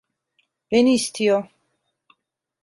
Beni istiyor.